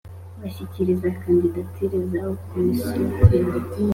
bashyikiriza kandidatire zabo Komisiyo